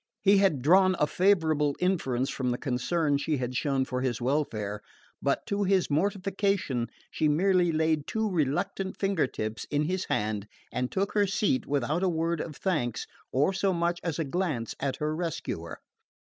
He had drawn a favourable inference from the concern she had shown for his welfare; but to his mortification she merely laid two reluctant finger tips in his hand and took her seat without a word of thanks or so much as a glance at her rescuer.